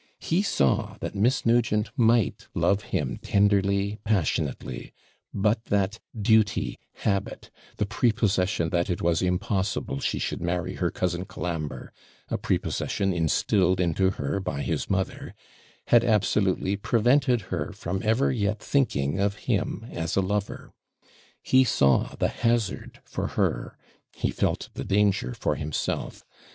He saw that Miss Nugent might love him tenderly, passionately; but that duty, habit, the prepossession that it was impossible she could marry her cousin Colambre a prepossession instilled into her by his mother had absolutely prevented her from ever yet thinking of him as a lover. He saw the hazard for her, he felt the danger for himself.